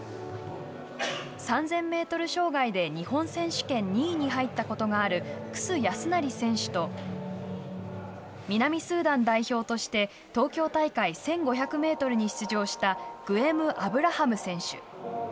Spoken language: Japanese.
３０００メートル障害で日本選手権２位に入ったことがある楠康成選手と南スーダン代表として東京大会１５００メートルに出場したグエム・アブラハム選手。